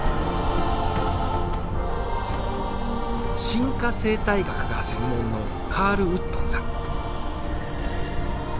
進化生態学が専門のカール・ウットンさん。